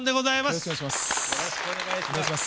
よろしくお願いします。